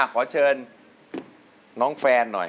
ขอเชิญน้องแฟนหน่อย